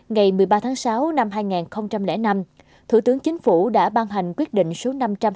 ngày một mươi ba tháng sáu năm hai nghìn năm thủ tướng chính phủ đã ban hành quyết định số năm trăm tám mươi ba